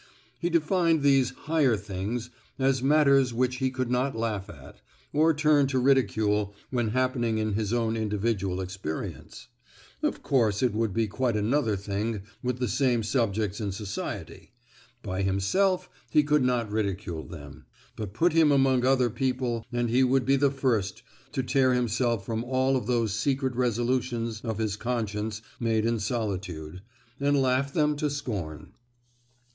He defined these "higher things" as matters which he could not laugh at, or turn to ridicule when happening in his own individual experience. Of course it would be quite another thing with the same subjects in society; by himself he could not ridicule then; but put him among other people, and he would be the first to tear himself from all of those secret resolutions of his conscience made in solitude, and laugh them to scorn.